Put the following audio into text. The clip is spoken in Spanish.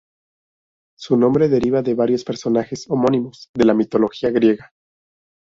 Su nombre deriva de varios personajes homónimos de la mitología griega.